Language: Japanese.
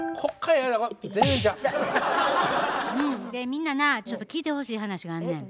みんななちょっと聞いてほしい話があるねん。